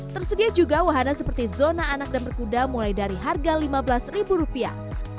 tersedia juga wahana seperti zona anak dan berkuda mulai dari harga lima belas ribu rupiah